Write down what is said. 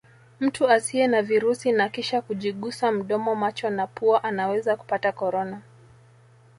Mtu asiye na virusi na kisha kujigusa mdomo macho na pua anaweza kupata Corona